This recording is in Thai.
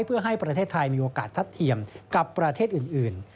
เพื่อให้ประเทศไทยมีโอกาสทัดเทียมกับประเทศอื่น